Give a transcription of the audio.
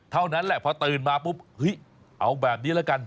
เท่านั้นแหละพอตื่นมาปุ๊บเฮ้ยเอาแบบนี้ละกัน